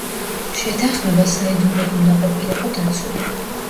შეთანხმება საიდუმლოდ უნდა ყოფილიყო დაცული.